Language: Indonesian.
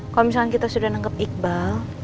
kalo misalkan kita sudah nangkep iqbal